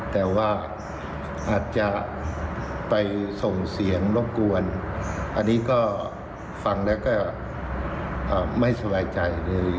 แต่ว่าอาจจะไปส่งเสียงรบกวนอันนี้ก็ฟังแล้วก็ไม่สบายใจ